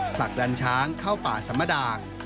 ผลักดันช้างเข้าป่าสัมมดา